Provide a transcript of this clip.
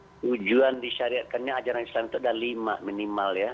tujuan disyariatkannya ajaran islam itu ada lima minimal ya